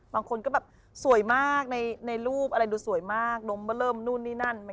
บางคนก็แบบสวยมากในรูปอะไรดูสวยมากนมเบอร์เริ่มนู่นนี่นั่น